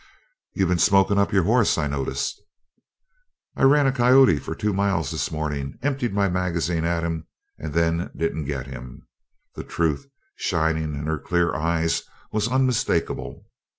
"You been smokin' up your horse, I notice." "I ran a coyote for two miles this morning emptied my magazine at him and then didn't get him." The truth shining in her clear eyes was unmistakable.